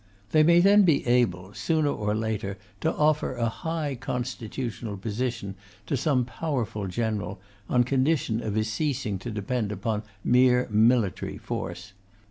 They may then be able, sooner or later, to offer a high constitutional position to some powerful general, on condition of his ceasing to depend upon mere military force.